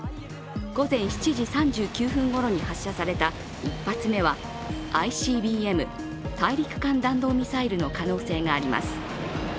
午前７時３９分ごろに発射された１発目はＩＣＢＭ＝大陸間弾道ミサイルの可能性があります。